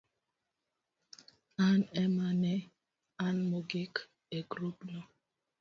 an ema ne an mogik e grubno.